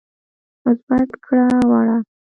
مثبت کړه وړه